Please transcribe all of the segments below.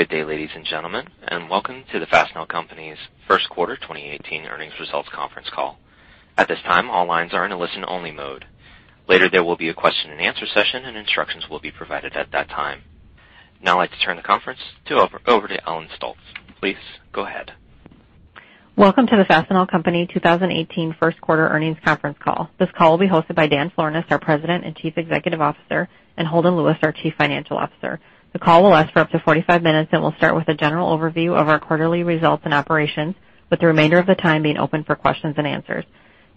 Good day, ladies and gentlemen, welcome to the Fastenal Company's first quarter 2018 earnings results conference call. At this time, all lines are in a listen-only mode. Later, there will be a question and answer session. Instructions will be provided at that time. Now I'd like to turn the conference over to Ellen Stolts. Please go ahead. Welcome to the Fastenal Company 2018 first quarter earnings conference call. This call will be hosted by Dan Florness, our President and Chief Executive Officer, Holden Lewis, our Chief Financial Officer. The call will last for up to 45 minutes. Will start with a general overview of our quarterly results and operations, with the remainder of the time being open for questions and answers.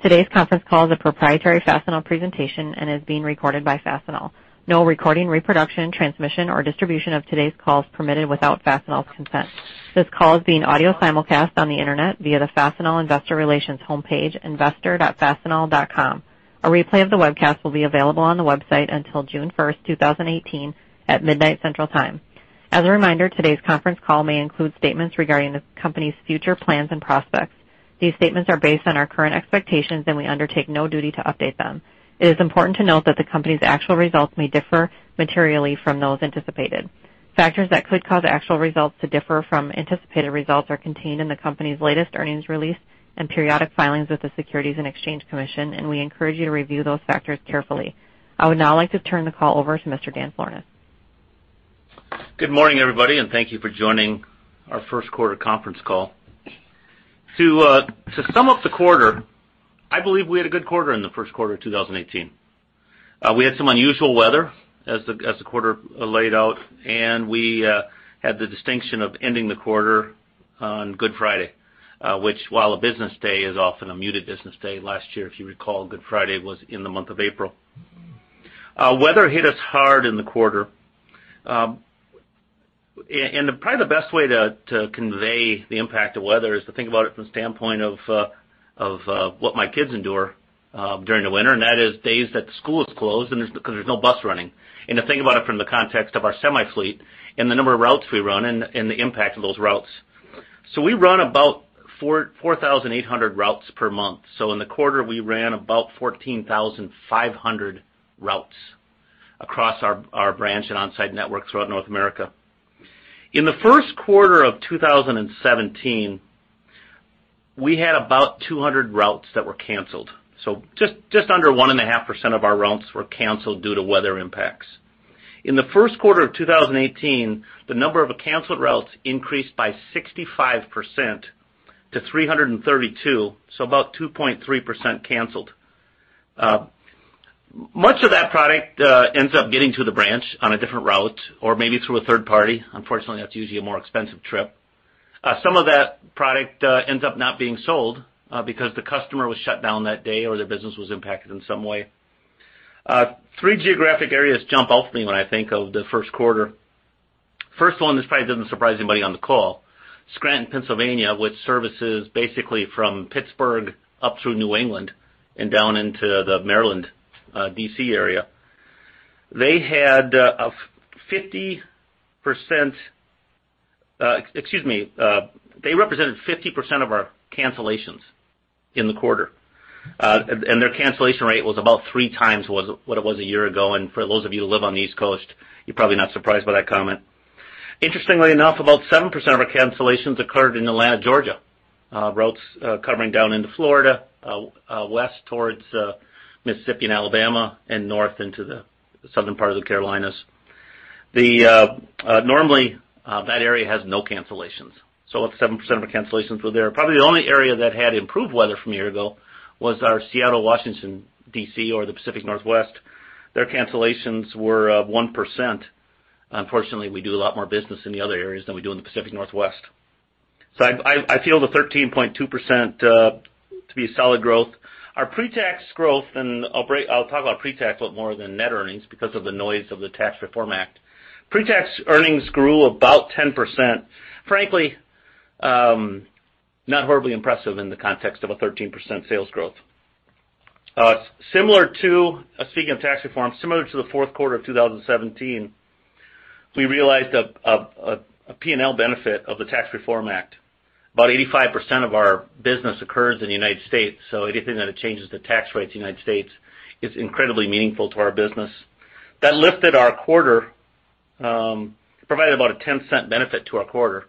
Today's conference call is a proprietary Fastenal presentation and is being recorded by Fastenal. No recording, reproduction, transmission, or distribution of today's call is permitted without Fastenal's consent. This call is being audio simulcast on the internet via the Fastenal investor relations homepage, investor.fastenal.com. A replay of the webcast will be available on the website until June 1st, 2018, at midnight Central Time. As a reminder, today's conference call may include statements regarding the company's future plans and prospects. These statements are based on our current expectations. We undertake no duty to update them. It is important to note that the company's actual results may differ materially from those anticipated. Factors that could cause actual results to differ from anticipated results are contained in the company's latest earnings release and periodic filings with the Securities and Exchange Commission. We encourage you to review those factors carefully. I would now like to turn the call over to Mr. Dan Florness. Good morning, everybody, thank you for joining our first quarter conference call. To sum up the quarter, I believe we had a good quarter in the first quarter of 2018. We had some unusual weather as the quarter laid out. We had the distinction of ending the quarter on Good Friday, which, while a business day, is often a muted business day. Last year, if you recall, Good Friday was in the month of April. Weather hit us hard in the quarter. Probably the best way to convey the impact of weather is to think about it from the standpoint of what my kids endure during the winter, that is days that the school is closed because there's no bus running. To think about it from the context of our semi fleet and the number of routes we run and the impact of those routes. We run about 4,800 routes per month. In the quarter, we ran about 14,500 routes across our branch and Onsite networks throughout North America. In the first quarter of 2017, we had about 200 routes that were canceled. Just under 1.5% of our routes were canceled due to weather impacts. In the first quarter of 2018, the number of canceled routes increased by 65% to 332, about 2.3% canceled. Much of that product ends up getting to the branch on a different route or maybe through a third party. Unfortunately, that's usually a more expensive trip. Some of that product ends up not being sold because the customer was shut down that day or their business was impacted in some way. Three geographic areas jump out for me when I think of the first quarter. First one, this probably doesn't surprise anybody on the call. Scranton, Pennsylvania, which services basically from Pittsburgh up through New England and down into the Maryland, DC area. They represented 50% of our cancellations in the quarter. Their cancellation rate was about three times what it was a year ago. For those of you who live on the East Coast, you're probably not surprised by that comment. Interestingly enough, about 7% of our cancellations occurred in Atlanta, Georgia, routes covering down into Florida, west towards Mississippi and Alabama, and north into the southern part of the Carolinas. Normally, that area has no cancellations. 7% of our cancellations were there. Probably the only area that had improved weather from a year ago was our Seattle, Washington, DC, or the Pacific Northwest. Their cancellations were 1%. Unfortunately, we do a lot more business in the other areas than we do in the Pacific Northwest. I feel the 13.2% to be solid growth. Our pre-tax growth, I'll talk about pre-tax a little more than net earnings because of the noise of the Tax Reform Act. Pre-tax earnings grew about 10%. Frankly, not horribly impressive in the context of a 13% sales growth. Speaking of tax reform, similar to the fourth quarter of 2017, we realized a P&L benefit of the Tax Reform Act. About 85% of our business occurs in the United States, anything that changes the tax rate in the United States is incredibly meaningful to our business. That lifted our quarter, provided about a $0.10 benefit to our quarter,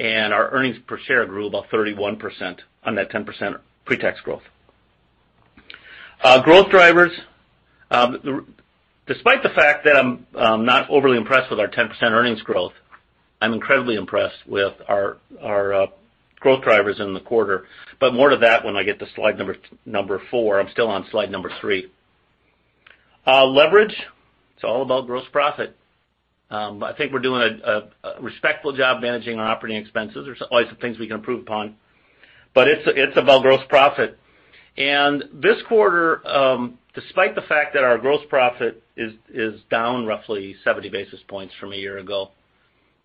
our earnings per share grew about 31% on that 10% pre-tax growth. Growth drivers. Despite the fact that I'm not overly impressed with our 10% earnings growth, I'm incredibly impressed with our growth drivers in the quarter. More to that when I get to slide number four. I'm still on slide number three. Leverage. It's all about gross profit. I think we're doing a respectful job managing our operating expenses. There's always some things we can improve upon. It's about gross profit. This quarter, despite the fact that our gross profit is down roughly 70 basis points from a year ago,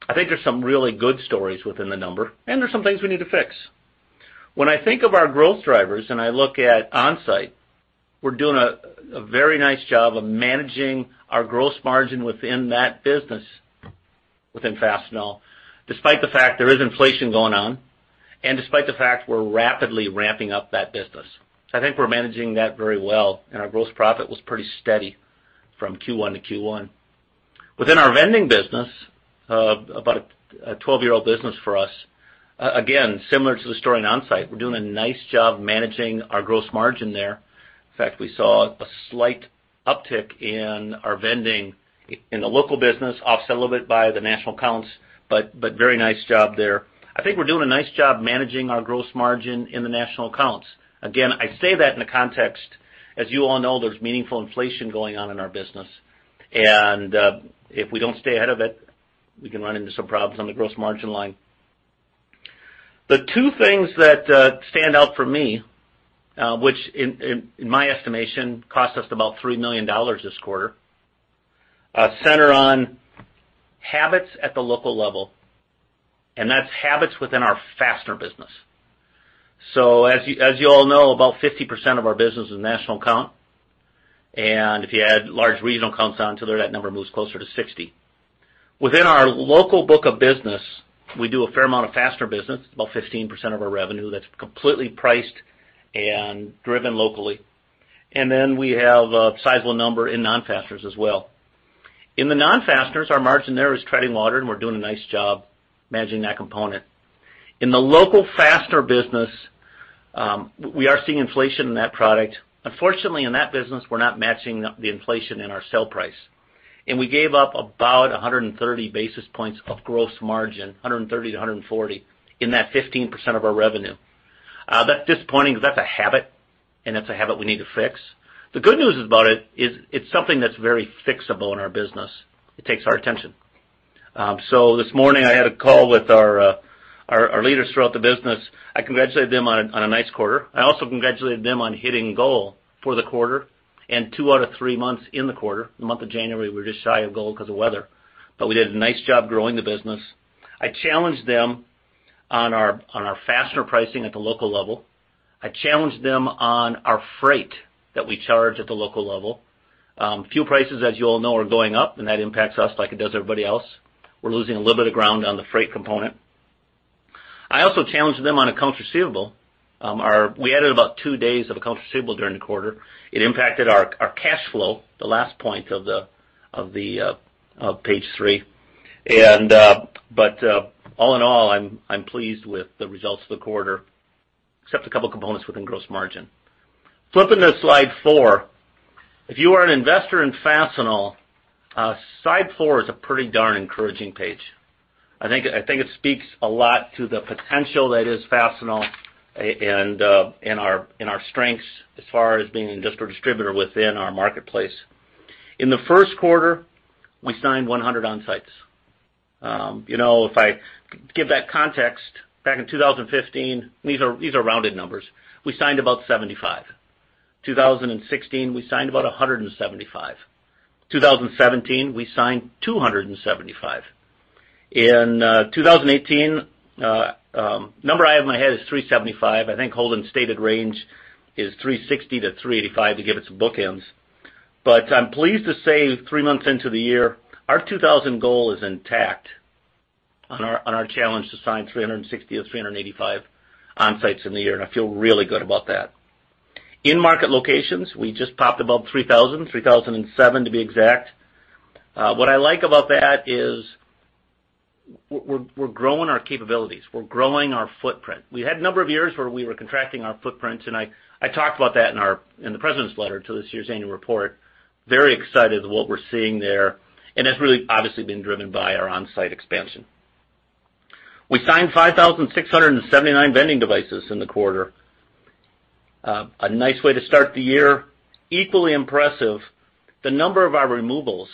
I think there's some really good stories within the number, and there's some things we need to fix. When I think of our growth drivers and I look at Onsite, we're doing a very nice job of managing our gross margin within that business within Fastenal, despite the fact there is inflation going on and despite the fact we're rapidly ramping up that business. I think we're managing that very well, and our gross profit was pretty steady From Q1 to Q1. Within our vending business, about a 12-year-old business for us, again, similar to the store and Onsite, we're doing a nice job managing our gross margin there. In fact, we saw a slight uptick in our vending in the local business, offset a little bit by the national accounts, but very nice job there. I think we're doing a nice job managing our gross margin in the national accounts. Again, I say that in the context, as you all know, there's meaningful inflation going on in our business, and if we don't stay ahead of it, we can run into some problems on the gross margin line. The two things that stand out for me, which in my estimation, cost us about $3 million this quarter, center on habits at the local level, and that's habits within our fastener business. As you all know, about 50% of our business is national account, and if you add large regional accounts onto there, that number moves closer to 60. Within our local book of business, we do a fair amount of fastener business, about 15% of our revenue that's completely priced and driven locally. We have a sizable number in non-fasteners as well. In the non-fasteners, our margin there is treading water, and we're doing a nice job managing that component. In the local fastener business, we are seeing inflation in that product. Unfortunately, in that business, we're not matching the inflation in our sale price. We gave up about 130 basis points of gross margin, 130 to 140, in that 15% of our revenue. That's disappointing because that's a habit, and that's a habit we need to fix. The good news about it is it's something that's very fixable in our business. It takes our attention. This morning, I had a call with our leaders throughout the business. I congratulated them on a nice quarter. I also congratulated them on hitting goal for the quarter and two out of three months in the quarter. The month of January, we were just shy of goal because of weather, but we did a nice job growing the business. I challenged them on our fastener pricing at the local level. I challenged them on our freight that we charge at the local level. Fuel prices, as you all know, are going up, and that impacts us like it does everybody else. We're losing a little bit of ground on the freight component. I also challenged them on accounts receivable. We added about two days of accounts receivable during the quarter. It impacted our cash flow, the last point of page three. All in all, I'm pleased with the results of the quarter, except a couple components within gross margin. Flipping to slide four. If you are an investor in Fastenal, slide four is a pretty darn encouraging page. I think it speaks a lot to the potential that is Fastenal and our strengths as far as being an industrial distributor within our marketplace. In the first quarter, we signed 100 Onsites. If I give that context, back in 2015, and these are rounded numbers, we signed about 75. 2016, we signed about 175. 2017, we signed 275. In 2018, number I have in my head is 375. I think Holden stated range is 360 to 385 to give it some bookends. I'm pleased to say, three months into the year, our 2,000 goal is intact on our challenge to sign 360 to 385 Onsites in the year, I feel really good about that. In market locations, we just popped above 3,000, 3,007 to be exact. What I like about that is we're growing our capabilities. We're growing our footprint. We had a number of years where we were contracting our footprint, I talked about that in the president's letter to this year's annual report. Very excited with what we're seeing there, that's really obviously been driven by our Onsite expansion. We signed 5,679 vending devices in the quarter. A nice way to start the year. Equally impressive, the number of our removals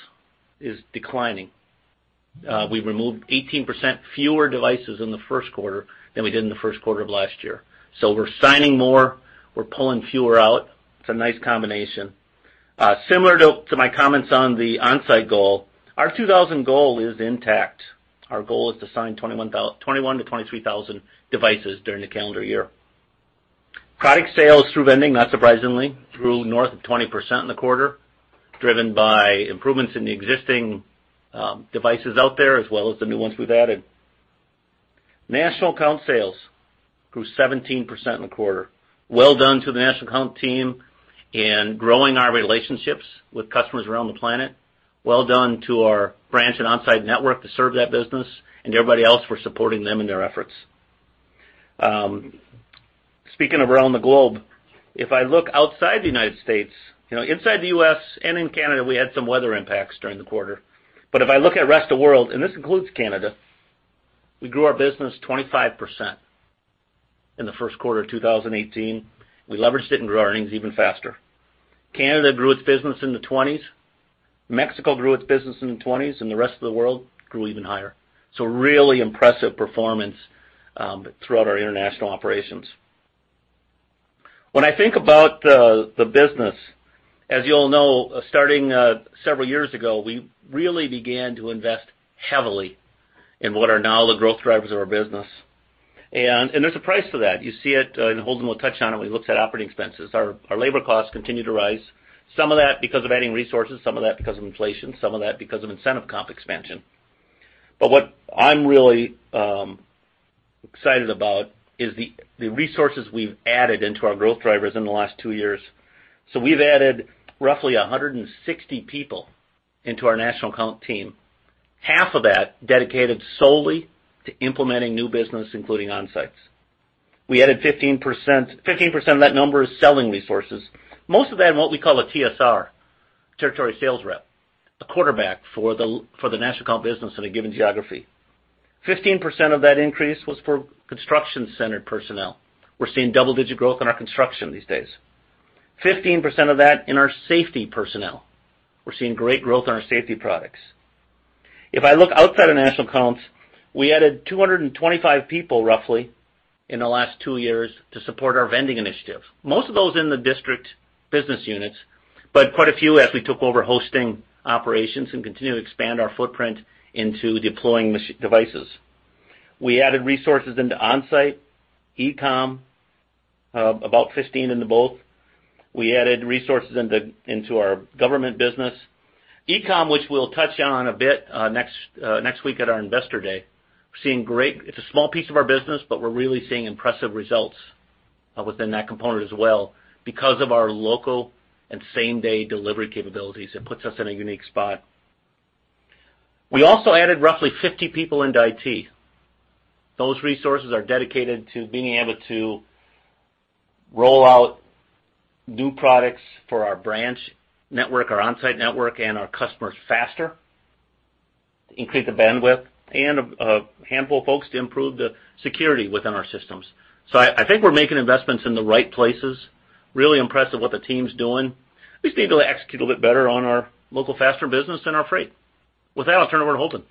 is declining. We removed 18% fewer devices in the first quarter than we did in the first quarter of last year. We're signing more, we're pulling fewer out. It's a nice combination. Similar to my comments on the Onsite goal, our 2,000 goal is intact. Our goal is to sign 21,000 to 23,000 devices during the calendar year. Product sales through vending, not surprisingly, grew north of 20% in the quarter, driven by improvements in the existing devices out there, as well as the new ones we've added. National account sales grew 17% in the quarter. Well done to the national account team in growing our relationships with customers around the planet. Well done to our branch and Onsite network to serve that business and everybody else for supporting them in their efforts. Speaking of around the globe, if I look outside the U.S., inside the U.S. and in Canada, we had some weather impacts during the quarter. If I look at rest of world, and this includes Canada, we grew our business 25% in the first quarter of 2018. We leveraged it and grew our earnings even faster. Canada grew its business in the 20s, Mexico grew its business in the 20s, the rest of the world grew even higher. Really impressive performance throughout our international operations. When I think about the business, as you all know, starting several years ago, we really began to invest heavily in what are now the growth drivers of our business. There's a price to that. You see it, Holden will touch on it when he looks at operating expenses. Our labor costs continue to rise, some of that because of adding resources, some of that because of inflation, some of that because of incentive comp expansion. What I'm really excited about is the resources we've added into our growth drivers in the last two years. We've added roughly 160 people into our national account team, half of that dedicated solely to implementing new business, including Onsites. We added 15% of that number is selling resources, most of that in what we call a TSR, territory sales rep, the quarterback for the national account business in a given geography. 15% of that increase was for construction-centered personnel. We're seeing double-digit growth in our construction these days. 15% of that in our safety personnel. We're seeing great growth in our safety products. If I look outside of national accounts, we added 225 people roughly in the last two years to support our vending initiatives, most of those in the district business units, but quite a few as we took over hosting operations and continue to expand our footprint into deploying devices. We added resources into Onsite, e-com, about 15 into both. We added resources into our government business. e-com, which we'll touch on a bit next week at our investor day, it's a small piece of our business, but we're really seeing impressive results within that component as well. Because of our local and same-day delivery capabilities, it puts us in a unique spot. We also added roughly 50 people into IT. Those resources are dedicated to being able to roll out new products for our branch network, our Onsite network, and our customers faster, to increase the bandwidth, and a handful of folks to improve the security within our systems. I think we're making investments in the right places. Really impressed with what the team's doing. We just need to be able to execute a bit better on our local faster business and our freight. With that, I'll turn it over to Holden.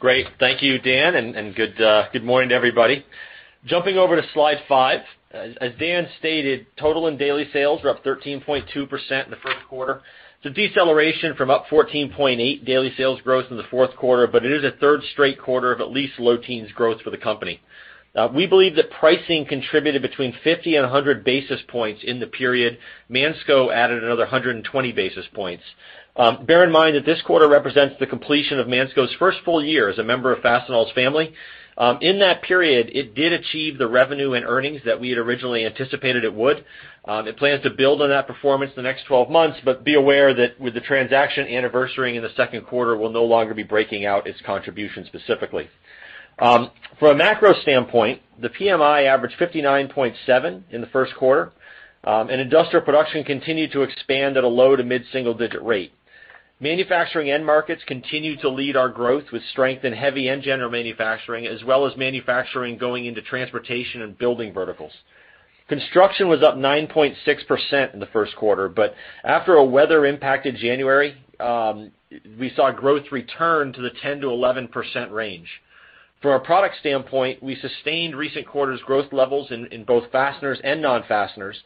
Great. Thank you, Dan, and good morning to everybody. Jumping over to slide five. As Dan stated, total and daily sales were up 13.2% in the first quarter. It's a deceleration from up 14.8% daily sales growth in the fourth quarter, but it is a third straight quarter of at least low teens growth for the company. We believe that pricing contributed between 50 and 100 basis points in the period. Mansco added another 120 basis points. Bear in mind that this quarter represents the completion of Mansco's first full year as a member of Fastenal's family. In that period, it did achieve the revenue and earnings that we had originally anticipated it would. It plans to build on that performance in the next 12 months, but be aware that with the transaction anniversarying in the second quarter, we'll no longer be breaking out its contribution specifically. From a macro standpoint, the PMI averaged 59.7 in the first quarter, and industrial production continued to expand at a low to mid-single-digit rate. Manufacturing end markets continued to lead our growth with strength in heavy engine or manufacturing, as well as manufacturing going into transportation and building verticals. Construction was up 9.6% in the first quarter. After a weather-impacted January, we saw growth return to the 10%-11% range. From a product standpoint, we sustained recent quarters' growth levels in both fasteners and non-fasteners,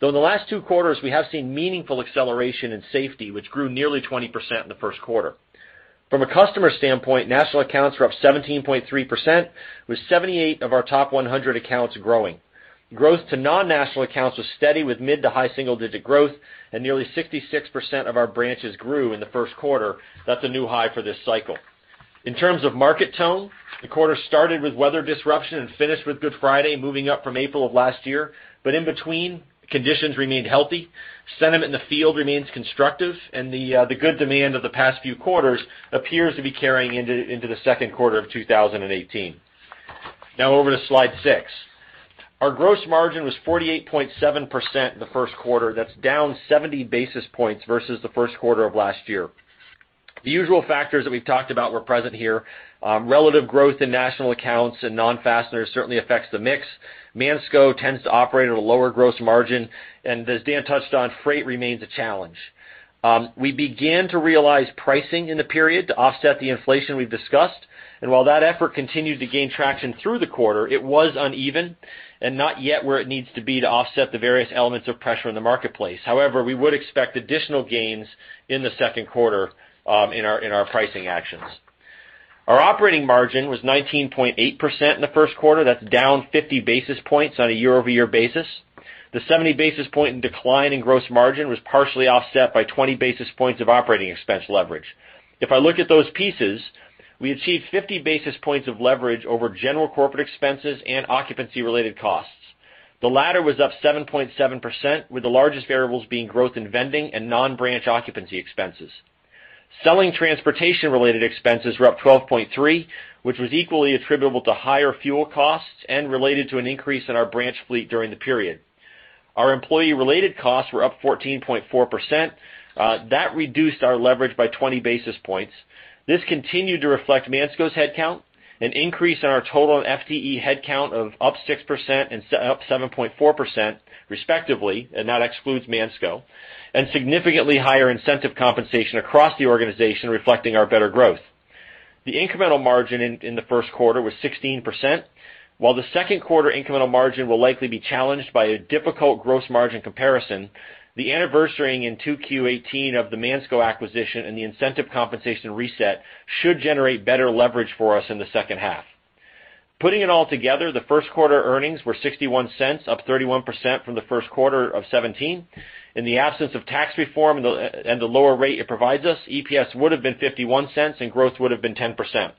though in the last two quarters, we have seen meaningful acceleration in safety, which grew nearly 20% in the first quarter. From a customer standpoint, national accounts were up 17.3%, with 78 of our top 100 accounts growing. Growth to non-national accounts was steady with mid to high single-digit growth, and nearly 66% of our branches grew in the first quarter. That's a new high for this cycle. In terms of market tone, the quarter started with weather disruption and finished with Good Friday moving up from April of last year, but in between, conditions remained healthy. Sentiment in the field remains constructive, and the good demand of the past few quarters appears to be carrying into the second quarter of 2018. Now over to slide seven. Our gross margin was 48.7% in the first quarter. That's down 70 basis points versus the first quarter of last year. The usual factors that we've talked about were present here. Relative growth in national accounts and non-fasteners certainly affects the mix. Mansco tends to operate at a lower gross margin, and as Dan touched on, freight remains a challenge. We began to realize pricing in the period to offset the inflation we've discussed, and while that effort continued to gain traction through the quarter, it was uneven and not yet where it needs to be to offset the various elements of pressure in the marketplace. However, we would expect additional gains in the second quarter, in our pricing actions. Our operating margin was 19.8% in the first quarter. That's down 50 basis points on a year-over-year basis. The 70 basis point decline in gross margin was partially offset by 20 basis points of operating expense leverage. If I look at those pieces, we achieved 50 basis points of leverage over general corporate expenses and occupancy-related costs. The latter was up 7.7%, with the largest variables being growth in vending and non-branch occupancy expenses. Selling transportation-related expenses were up 12.3%, which was equally attributable to higher fuel costs and related to an increase in our branch fleet during the period. Our employee-related costs were up 14.4%. That reduced our leverage by 20 basis points. This continued to reflect Mansco's headcount, an increase in our total and FTE headcount of up 6% and up 7.4%, respectively, and that excludes Mansco, and significantly higher incentive compensation across the organization reflecting our better growth. The incremental margin in the first quarter was 16%, while the second quarter incremental margin will likely be challenged by a difficult gross margin comparison. The anniversarying in 2Q18 of the Mansco acquisition and the incentive compensation reset should generate better leverage for us in the second half. Putting it all together, the first quarter earnings were $0.61, up 31% from the first quarter of 2017. In the absence of tax reform and the lower rate it provides us, EPS would have been $0.51, and growth would have been 10%.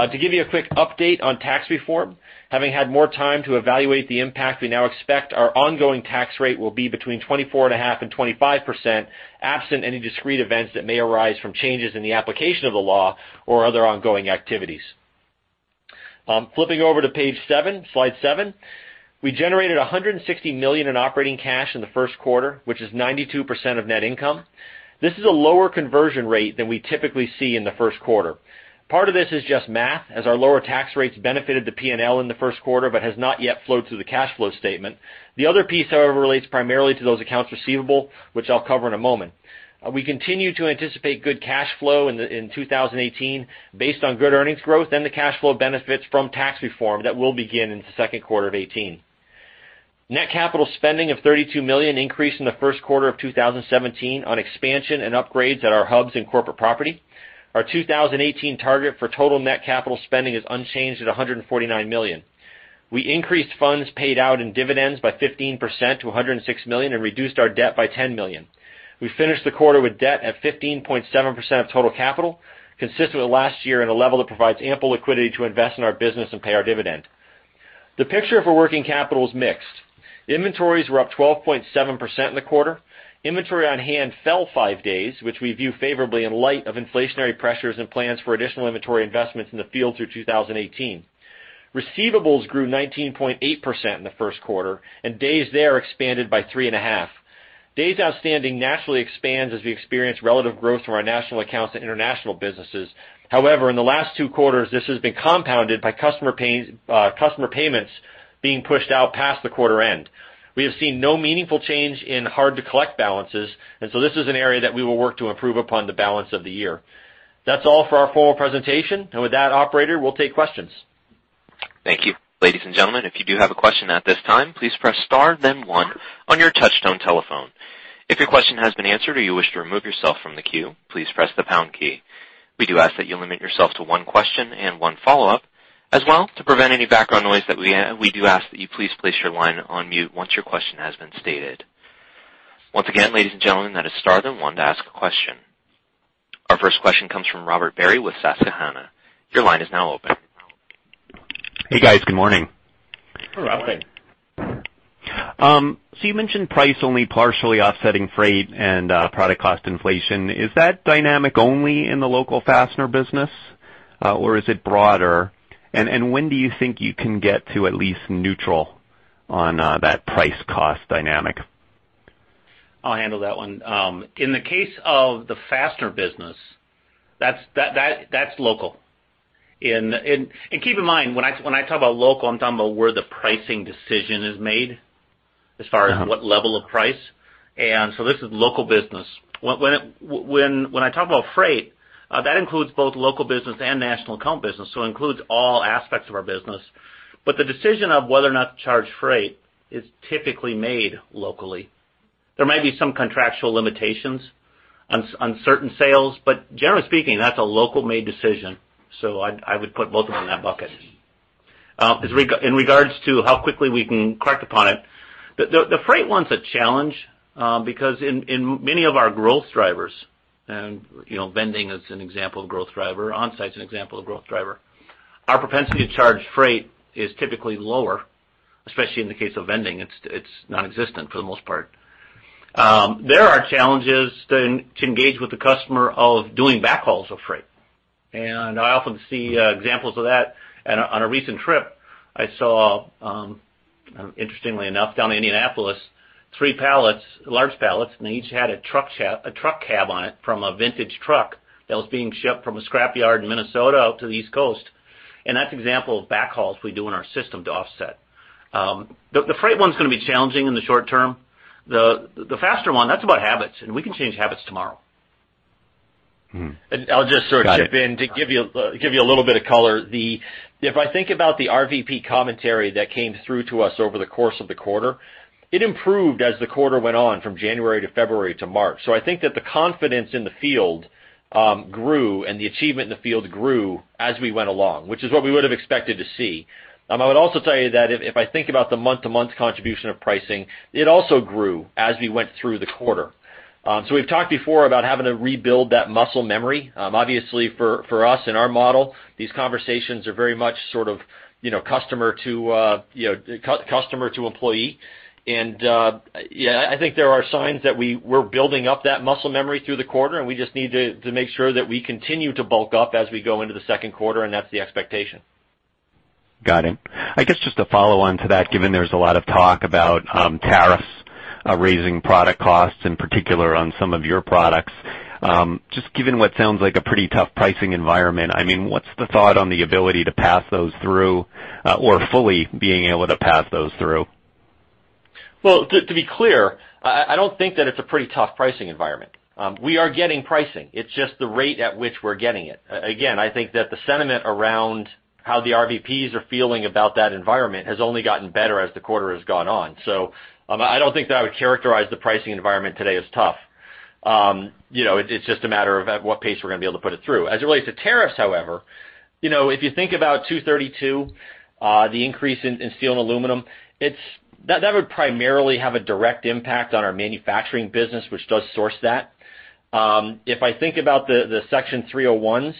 To give you a quick update on tax reform, having had more time to evaluate the impact, we now expect our ongoing tax rate will be between 24.5% and 25%, absent any discrete events that may arise from changes in the application of the law or other ongoing activities. Flipping over to page seven, slide seven. We generated $160 million in operating cash in the first quarter, which is 92% of net income. This is a lower conversion rate than we typically see in the first quarter. Part of this is just math, as our lower tax rates benefited the P&L in the first quarter but has not yet flowed through the cash flow statement. The other piece, however, relates primarily to those accounts receivable, which I'll cover in a moment. We continue to anticipate good cash flow in 2018 based on good earnings growth and the cash flow benefits from tax reform that will begin in the second quarter of 2018. Net capital spending of $32 million increased in the first quarter of 2017 on expansion and upgrades at our hubs and corporate property. Our 2018 target for total net capital spending is unchanged at $149 million. We increased funds paid out in dividends by 15% to $106 million and reduced our debt by $10 million. We finished the quarter with debt at 15.7% of total capital, consistent with last year and a level that provides ample liquidity to invest in our business and pay our dividend. The picture of our working capital is mixed. Inventories were up 12.7% in the quarter. Inventory on hand fell five days, which we view favorably in light of inflationary pressures and plans for additional inventory investments in the field through 2018. Receivables grew 19.8% in the first quarter, days there expanded by three and a half. Days outstanding naturally expands as we experience relative growth from our national accounts to international businesses. In the last two quarters, this has been compounded by customer payments being pushed out past the quarter end. We have seen no meaningful change in hard-to-collect balances, so this is an area that we will work to improve upon the balance of the year. That's all for our formal presentation. With that, operator, we'll take questions. Thank you. Ladies and gentlemen, if you do have a question at this time, please press star then one on your touch tone telephone. If your question has been answered or you wish to remove yourself from the queue, please press the pound key. We do ask that you limit yourself to one question and one follow-up. As well, to prevent any background noise, we do ask that you please place your line on mute once your question has been stated. Once again, ladies and gentlemen, that is star then one to ask a question. Our first question comes from Robert Barry with Susquehanna. Your line is now open. Hey, guys. Good morning. Good morning. You mentioned price only partially offsetting freight and product cost inflation. Is that dynamic only in the local fastener business, or is it broader? When do you think you can get to at least neutral on that price-cost dynamic? I'll handle that one. In the case of the fastener business, that's local. Keep in mind, when I talk about local, I'm talking about where the pricing decision is made as far as what level of price. This is local business. When I talk about freight, that includes both local business and national account business, so includes all aspects of our business. The decision of whether or not to charge freight is typically made locally. There might be some contractual limitations on certain sales, but generally speaking, that's a locally made decision. I would put both of them in that bucket. In regards to how quickly we can correct upon it, the freight one's a challenge, because in many of our growth drivers, and vending is an example of growth driver, Onsite's an example of growth driver, our propensity to charge freight is typically lower, especially in the case of vending, it's nonexistent for the most part. There are challenges to engage with the customer of doing backhauls of freight. I often see examples of that. On a recent trip, I saw, interestingly enough, down in Indianapolis, three large pallets, and they each had a truck cab on it from a vintage truck that was being shipped from a scrapyard in Minnesota out to the East Coast. That's an example of backhauls we do in our system to offset. The freight one's going to be challenging in the short term. The faster one, that's about habits, we can change habits tomorrow. Got it. I'll just sort of chip in to give you a little bit of color. If I think about the RVP commentary that came through to us over the course of the quarter, it improved as the quarter went on from January to February to March. I think that the confidence in the field grew and the achievement in the field grew as we went along, which is what we would've expected to see. I would also tell you that if I think about the month-to-month contribution of pricing, it also grew as we went through the quarter. We've talked before about having to rebuild that muscle memory. Obviously, for us in our model, these conversations are very much customer to employee. Yeah, I think there are signs that we're building up that muscle memory through the quarter, we just need to make sure that we continue to bulk up as we go into the second quarter, that's the expectation. Got it. I guess just to follow on to that, given there's a lot of talk about tariffs raising product costs, in particular on some of your products. Just given what sounds like a pretty tough pricing environment, what's the thought on the ability to pass those through or fully being able to pass those through? Well, to be clear, I don't think that it's a pretty tough pricing environment. We are getting pricing. It's just the rate at which we're getting it. Again, I think that the sentiment around how the RVPs are feeling about that environment has only gotten better as the quarter has gone on. I don't think that I would characterize the pricing environment today as tough. It's just a matter of at what pace we're going to be able to put it through. As it relates to tariffs, however, if you think about 232, the increase in steel and aluminum, that would primarily have a direct impact on our manufacturing business, which does source that. If I think about the Section 301s-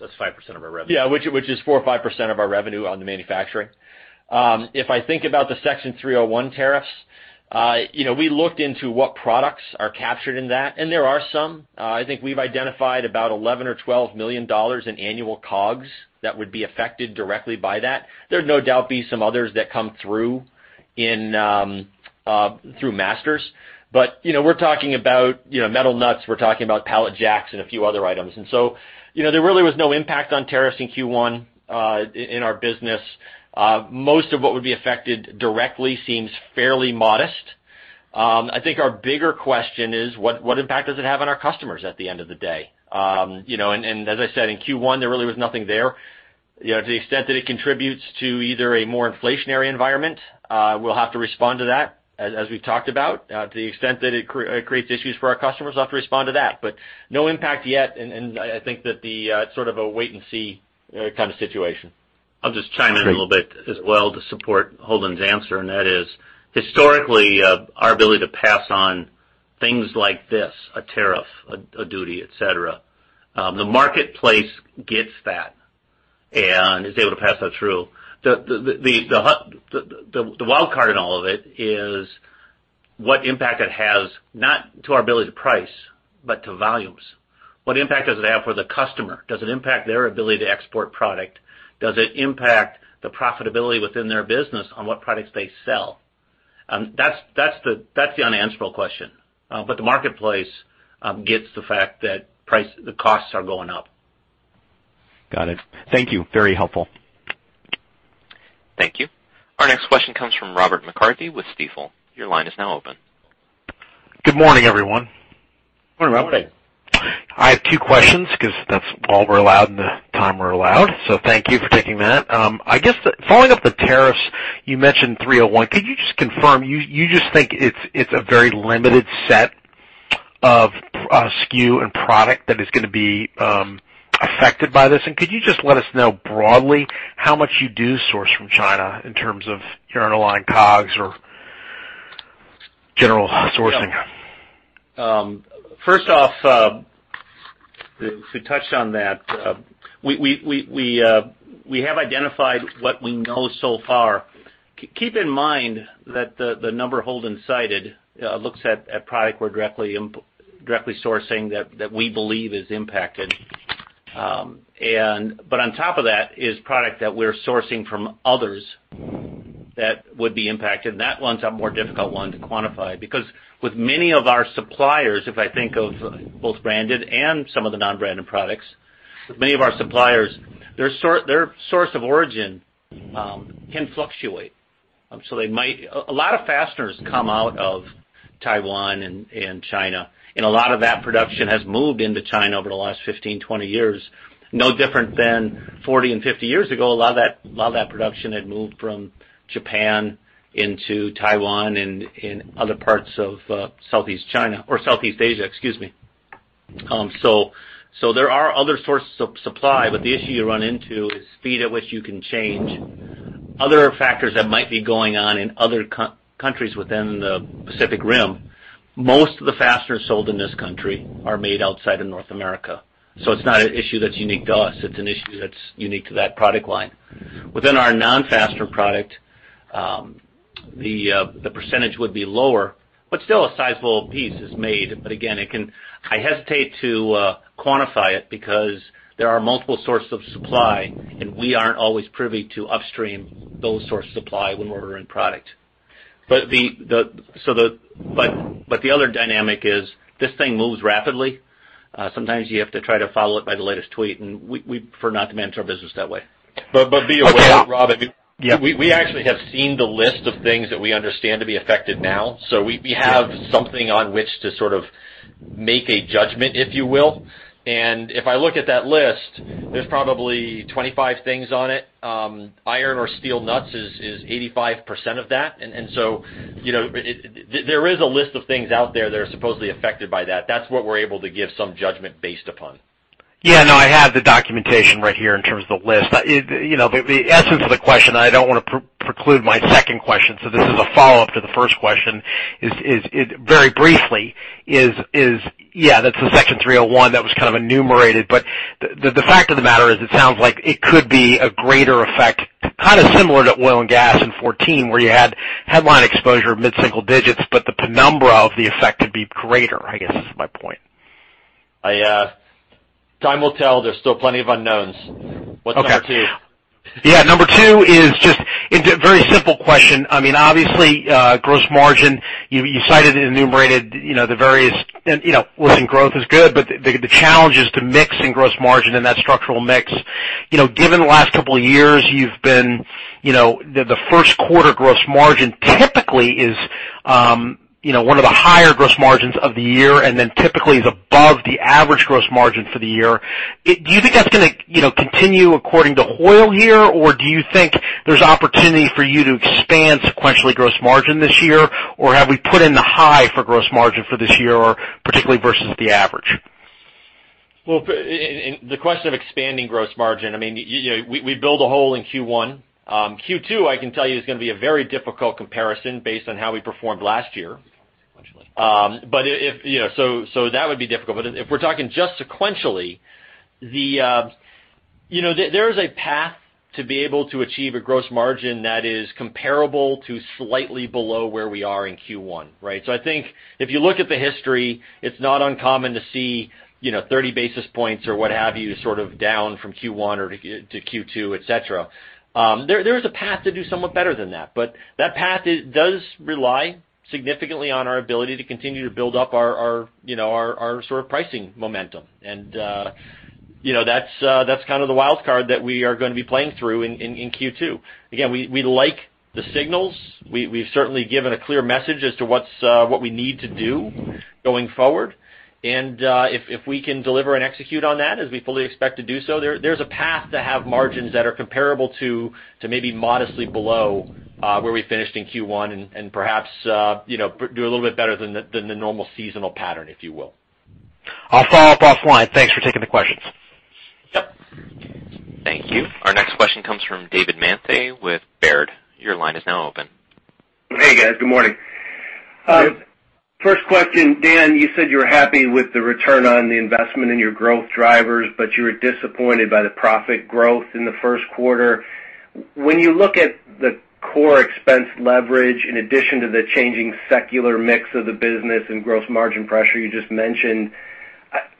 That's 5% of our revenue Yeah, which is 4% or 5% of our revenue on the manufacturing. If I think about the Section 301 tariffs, we looked into what products are captured in that, and there are some. I think we've identified about $11 million or $12 million in annual COGS that would be affected directly by that. There'd no doubt be some others that come through masters. We're talking about metal nuts, we're talking about pallet jacks, and a few other items. There really was no impact on tariffs in Q1 in our business. Most of what would be affected directly seems fairly modest. I think our bigger question is, what impact does it have on our customers at the end of the day? As I said, in Q1, there really was nothing there. To the extent that it contributes to either a more inflationary environment, we'll have to respond to that, as we've talked about. To the extent that it creates issues for our customers, we'll have to respond to that. No impact yet, and I think that it's sort of a wait-and-see kind of situation. I'll just chime in a little bit as well to support Holden's answer, and that is, historically, our ability to pass on things like this, a tariff, a duty, et cetera, the marketplace gets that and is able to pass that through. The wild card in all of it is what impact it has, not to our ability to price, but to volumes. What impact does it have for the customer? Does it impact their ability to export product? Does it impact the profitability within their business on what products they sell? That's the unanswerable question. The marketplace gets the fact that the costs are going up. Got it. Thank you. Very helpful. Thank you. Our next question comes from Robert McCarthy with Stifel. Your line is now open. Good morning, everyone. Morning, Robert. Morning. I have two questions because that's all we're allowed in the time we're allowed. Thank you for taking that. I guess, following up the tariffs, you mentioned 301. Could you just confirm, you just think it's a very limited set of SKU and product that is going to be affected by this? Could you just let us know broadly how much you do source from China in terms of your underlying COGS or general sourcing? First off, to touch on that, we have identified what we know so far. Keep in mind that the number Holden cited looks at product we're directly sourcing that we believe is impacted. On top of that is product that we're sourcing from others that would be impacted. That one's a more difficult one to quantify, because with many of our suppliers, if I think of both branded and some of the non-branded products, many of our suppliers, their source of origin can fluctuate. A lot of fasteners come out of Taiwan and China, and a lot of that production has moved into China over the last 15, 20 years. No different than 40 and 50 years ago, a lot of that production had moved from Japan into Taiwan and in other parts of Southeast Asia. There are other sources of supply, but the issue you run into is speed at which you can change. Other factors that might be going on in other countries within the Pacific Rim. Most of the fasteners sold in the U.S. are made outside of North America. It's not an issue that's unique to us. It's an issue that's unique to that product line. Within our non-fastener product, the percentage would be lower, but still a sizable piece is made. Again, I hesitate to quantify it because there are multiple sources of supply, and we aren't always privy to upstream those sources of supply when we're ordering product. The other dynamic is this thing moves rapidly. Sometimes you have to try to follow it by the latest tweet, and we prefer not to manage our business that way. Be aware, Rob. Yeah We actually have seen the list of things that we understand to be affected now. We have something on which to sort of make a judgment, if you will. If I look at that list, there's probably 25 things on it. Iron or steel nuts is 85% of that. There is a list of things out there that are supposedly affected by that. That's what we're able to give some judgment based upon. No, I have the documentation right here in terms of the list. The essence of the question, I don't want to preclude my second question. This is a follow-up to the first question, very briefly is, that's the Section 301 that was kind of enumerated. The fact of the matter is, it sounds like it could be a greater effect, kind of similar to oil and gas in 2014, where you had headline exposure mid-single digits, but the penumbra of the effect could be greater, I guess, is my point. Time will tell. There's still plenty of unknowns. What's number 2? Number 2 is just a very simple question. Obviously, gross margin, you cited and enumerated. Listen, growth is good, but the challenge is to mix in gross margin and that structural mix. Given the last couple of years, the first quarter gross margin typically is one of the higher gross margins of the year, then typically is above the average gross margin for the year. Do you think that's going to continue according to all year, or do you think there's opportunity for you to expand sequentially gross margin this year? Or have we put in the high for gross margin for this year, particularly versus the average? The question of expanding gross margin, we built a high in Q1. Q2, I can tell you, is going to be a very difficult comparison based on how we performed last year. That would be difficult. If we're talking just sequentially, there is a path to be able to achieve a gross margin that is comparable to slightly below where we are in Q1. Right? I think if you look at the history, it's not uncommon to see 30 basis points or what have you, sort of down from Q1 or to Q2, et cetera. There is a path to do somewhat better than that, but that path does rely significantly on our ability to continue to build up our sort of pricing momentum. That's kind of the wild card that we are going to be playing through in Q2. Again, we like the signals. We've certainly given a clear message as to what we need to do going forward. If we can deliver and execute on that, as we fully expect to do so, there's a path to have margins that are comparable to maybe modestly below where we finished in Q1 and perhaps do a little bit better than the normal seasonal pattern, if you will. I'll follow up offline. Thanks for taking the questions. Yep. Thank you. Our next question comes from David Manthey with Baird. Your line is now open. Hey, guys. Good morning. Good morning. First question. Dan, you said you were happy with the return on the investment in your growth drivers, but you were disappointed by the profit growth in the first quarter. When you look at the core expense leverage, in addition to the changing secular mix of the business and gross margin pressure you just mentioned,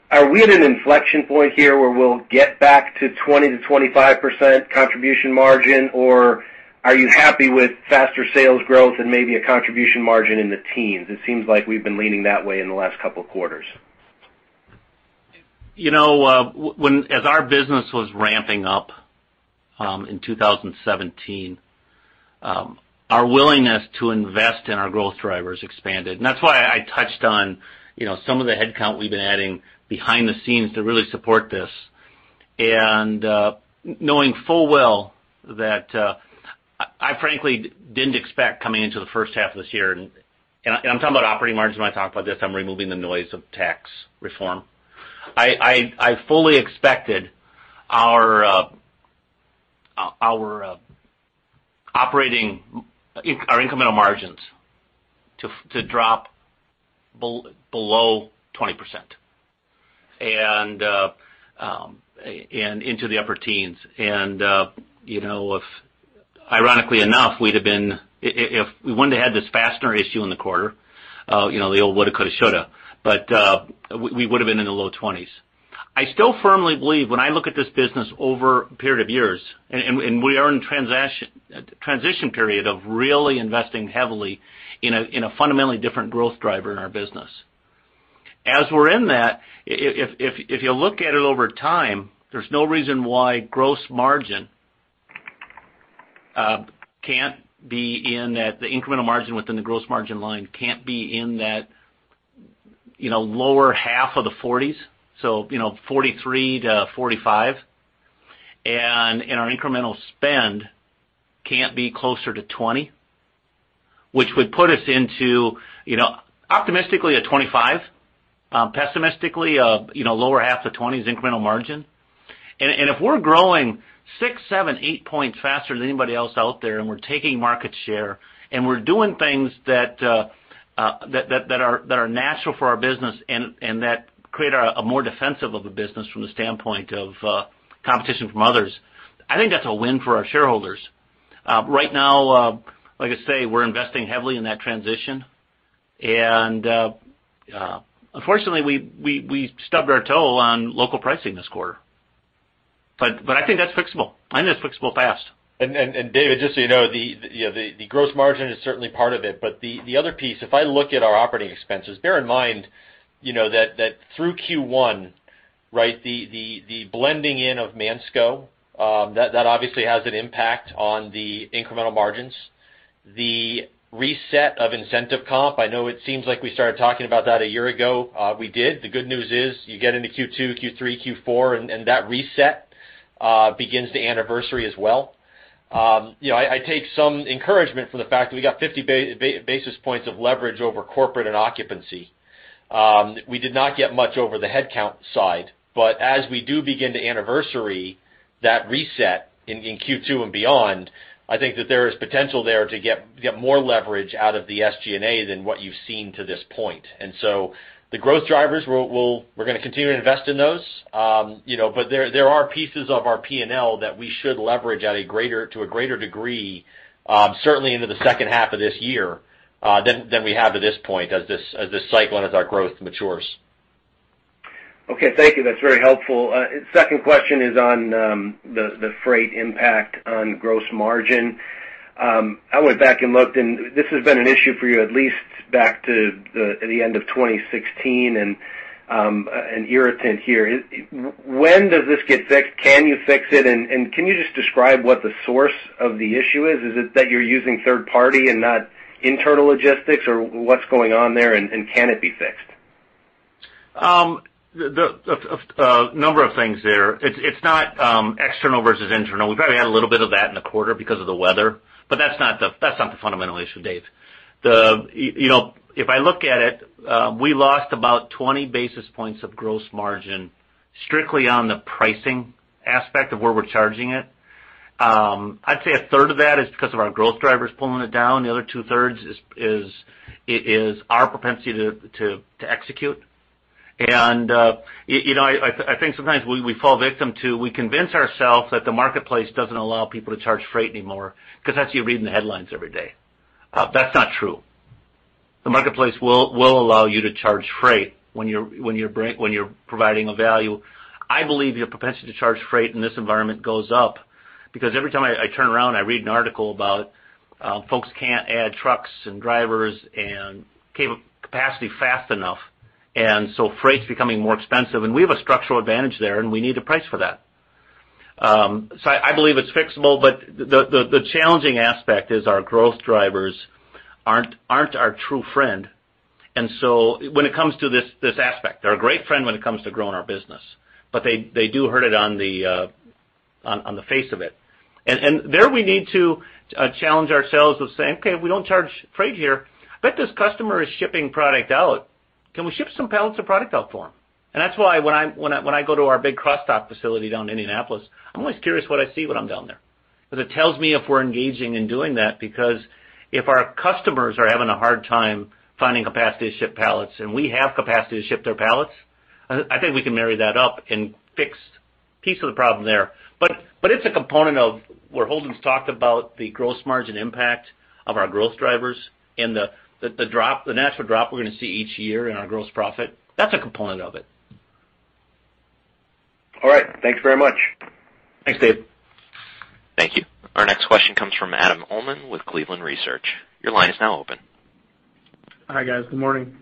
are we at an inflection point here where we will get back to 20%-25% contribution margin, or are you happy with faster sales growth and maybe a contribution margin in the teens? It seems like we have been leaning that way in the last couple of quarters. As our business was ramping up in 2017, our willingness to invest in our growth drivers expanded. That is why I touched on some of the headcount we have been adding behind the scenes to really support this. Knowing full well that I frankly did not expect coming into the first half of this year, I am talking about operating margins when I talk about this, I am removing the noise of tax reform. I fully expected our incremental margins to drop below 20% and into the upper teens. Ironically enough, if we would not have had this fastener issue in the quarter, the old woulda, coulda, shoulda, but we would have been in the low 20s. I still firmly believe when I look at this business over a period of years, we are in a transition period of really investing heavily in a fundamentally different growth driver in our business. As we are in that, if you look at it over time, there is no reason why gross margin cannot be in that, the incremental margin within the gross margin line cannot be in that lower half of the 40s, so 43%-45%, and our incremental spend cannot be closer to 20%, which would put us into optimistically a 25%, pessimistically, lower half of 20s incremental margin. If we are growing six, seven, eight points faster than anybody else out there, we are taking market share, we are doing things that are natural for our business and that create a more defensive of a business from the standpoint of competition from others, I think that is a win for our shareholders. Right now, like I say, we are investing heavily in that transition, unfortunately, we stubbed our toe on local pricing this quarter. I think that is fixable, and it is fixable fast. David, just so you know, the gross margin is certainly part of it. The other piece, if I look at our operating expenses, bear in mind, that through Q1, the blending in of Mansco, that obviously has an impact on the incremental margins. The reset of incentive comp, I know it seems like we started talking about that a year ago. We did. The good news is you get into Q2, Q3, Q4, that reset begins to anniversary as well. I take some encouragement from the fact that we got 50 basis points of leverage over corporate and occupancy. We did not get much over the headcount side, but as we do begin to anniversary that reset in Q2 and beyond, I think that there is potential there to get more leverage out of the SG&A than what you have seen to this point. The growth drivers, we're going to continue to invest in those. There are pieces of our P&L that we should leverage to a greater degree, certainly into the second half of this year, than we have to this point as this cycle and as our growth matures. Okay. Thank you. That's very helpful. Second question is on the freight impact on gross margin. I went back and looked, and this has been an issue for you at least back to the end of 2016 and an irritant here. When does this get fixed? Can you fix it? Can you just describe what the source of the issue is? Is it that you're using third party and not internal logistics, or what's going on there, and can it be fixed? A number of things there. It's not external versus internal. We probably had a little bit of that in the quarter because of the weather, but that's not the fundamental issue, Dave. If I look at it, we lost about 20 basis points of gross margin strictly on the pricing aspect of where we're charging it. I'd say a third of that is because of our growth drivers pulling it down. The other two-thirds is our propensity to execute. I think sometimes we fall victim to, we convince ourselves that the marketplace doesn't allow people to charge freight anymore, because that's you reading the headlines every day. That's not true. The marketplace will allow you to charge freight when you're providing a value. I believe your propensity to charge freight in this environment goes up, because every time I turn around and I read an article about folks can't add trucks and drivers and capacity fast enough. So freight's becoming more expensive. We have a structural advantage there, and we need to price for that. I believe it's fixable, but the challenging aspect is our growth drivers aren't our true friend. When it comes to this aspect, they're a great friend when it comes to growing our business, but they do hurt it on the face of it. There, we need to challenge ourselves with saying, "Okay, we don't charge freight here. I bet this customer is shipping product out. Can we ship some pallets of product out for them?" That's why when I go to our big cross-dock facility down in Indianapolis, I'm always curious what I see when I'm down there. It tells me if we're engaging in doing that, because if our customers are having a hard time finding capacity to ship pallets and we have capacity to ship their pallets, I think we can marry that up and fix a piece of the problem there. It's a component of where Holden's talked about the gross margin impact of our growth drivers and the natural drop we're gonna see each year in our gross profit. That's a component of it. All right. Thanks very much. Thanks, Dave. Thank you. Our next question comes from Adam Uhlman with Cleveland Research. Your line is now open. Hi, guys. Good morning. Good morning.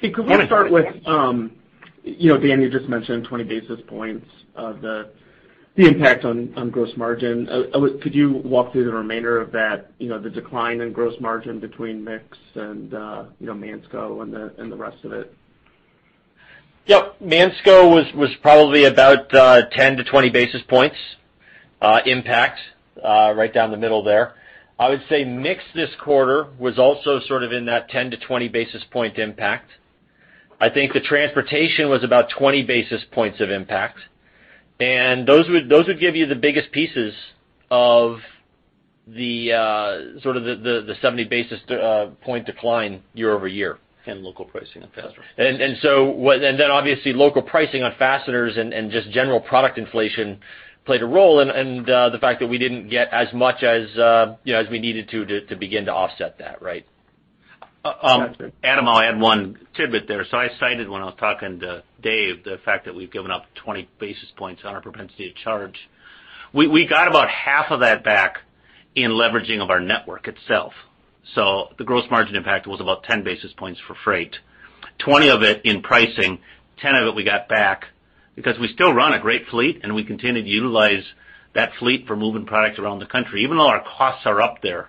Hey, could we start with, Dan, you just mentioned 20 basis points of the impact on gross margin. Could you walk through the remainder of that, the decline in gross margin between mix and Mansco and the rest of it? Yep. Mansco was probably about 10 to 20 basis points impact, right down the middle there. I would say mix this quarter was also sort of in that 10 to 20 basis point impact. I think the transportation was about 20 basis points of impact. Those would give you the biggest pieces of the sort of the 70 basis point decline year-over-year. Local pricing on fasteners. Obviously, local pricing on fasteners and just general product inflation played a role, and the fact that we didn't get as much as we needed to begin to offset that, right? Gotcha. Adam, I'll add one tidbit there. I cited when I was talking to Dave, the fact that we've given up 20 basis points on our propensity to charge. We got about half of that back in leveraging of our network itself. The gross margin impact was about 10 basis points for freight, 20 of it in pricing. 10 of it we got back because we still run a great fleet, and we continue to utilize that fleet for moving product around the country. Even though our costs are up there,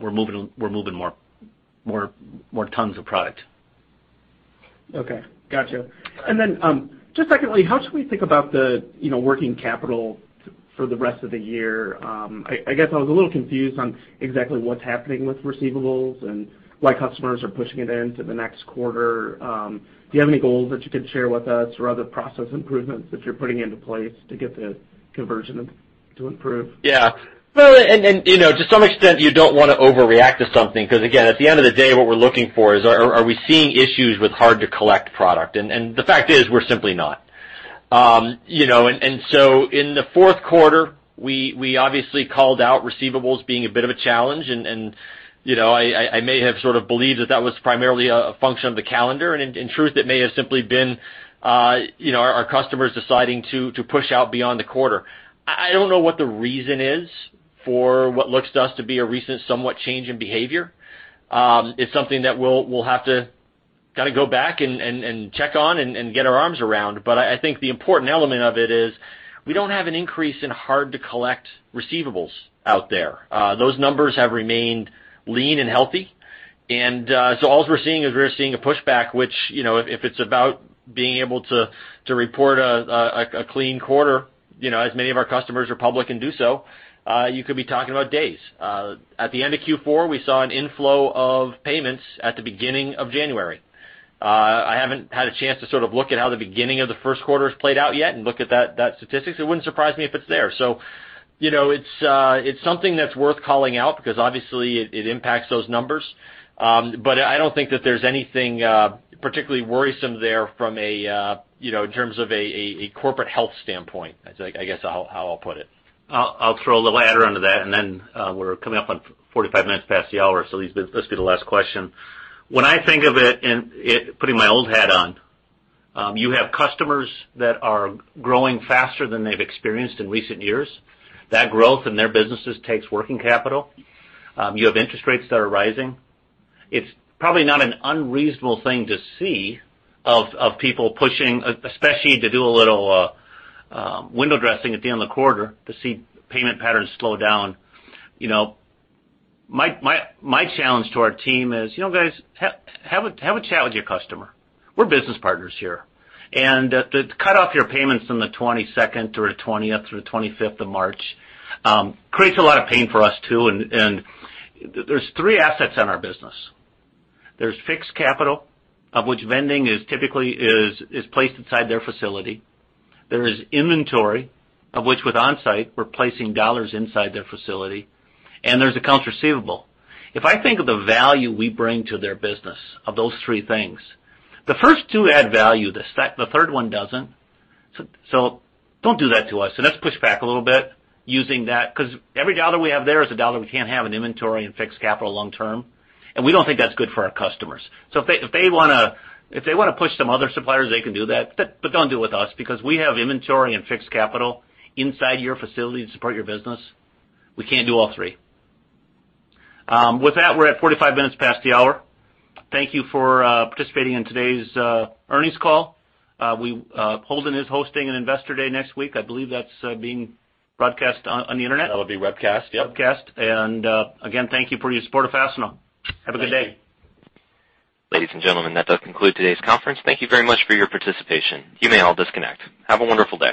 we're moving more tons of product. Okay. Gotcha. Then, just secondly, how should we think about the working capital for the rest of the year? I guess I was a little confused on exactly what's happening with receivables and why customers are pushing it into the next quarter. Do you have any goals that you could share with us or other process improvements that you're putting into place to get the conversion to improve? Yeah. To some extent, you don't want to overreact to something, because again, at the end of the day, what we're looking for is, are we seeing issues with hard-to-collect product? The fact is, we're simply not. In the fourth quarter, we obviously called out receivables being a bit of a challenge, and I may have sort of believed that that was primarily a function of the calendar. In truth, it may have simply been our customers deciding to push out beyond the quarter. I don't know what the reason is for what looks to us to be a recent somewhat change in behavior. It's something that we'll have to kind of go back and check on and get our arms around. I think the important element of it is we don't have an increase in hard-to-collect receivables out there. Those numbers have remained lean and healthy. All we're seeing is we're seeing a pushback, which if it's about being able to report a clean quarter, as many of our customers are public and do so, you could be talking about days. At the end of Q4, we saw an inflow of payments at the beginning of January. I haven't had a chance to sort of look at how the beginning of the first quarter has played out yet and look at that statistic. It wouldn't surprise me if it's there. It's something that's worth calling out because obviously it impacts those numbers. I don't think that there's anything particularly worrisome there in terms of a corporate health standpoint, I guess how I'll put it. I'll throw a little adder onto that, then we're coming up on 45 minutes past the hour, this'll be the last question. When I think of it, putting my old hat on, you have customers that are growing faster than they've experienced in recent years. That growth in their businesses takes working capital. You have interest rates that are rising. It's probably not an unreasonable thing to see of people pushing, especially to do a little window dressing at the end of the quarter to see payment patterns slow down. My challenge to our team is, "Guys, have a chat with your customer. We're business partners here." To cut off your payments from the 22nd through the 20th or the 25th of March creates a lot of pain for us, too. There's three assets in our business. There's fixed capital, of which vending is typically placed inside their facility. There is inventory, of which with Onsite, we're placing dollars inside their facility. There's accounts receivable. If I think of the value we bring to their business of those three things, the first two add value. The third one doesn't. Don't do that to us, and let's push back a little bit using that, because every dollar we have there is a dollar we can't have in inventory and fixed capital long term. We don't think that's good for our customers. If they want to push some other suppliers, they can do that. Don't do it with us because we have inventory and fixed capital inside your facility to support your business. We can't do all three. With that, we're at 45 minutes past the hour. Thank you for participating in today's earnings call. Holden is hosting an investor day next week. I believe that's being broadcast on the internet. That'll be webcast. Yep. Webcast. Again, thank you for your support of Fastenal. Have a good day. Thank you. Ladies and gentlemen, that does conclude today's conference. Thank you very much for your participation. You may all disconnect. Have a wonderful day.